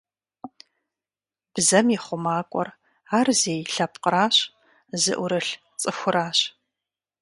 Бзэм и хъумакӀуэр ар зей лъэпкъыращ, зыӀурылъ цӀыхуращ.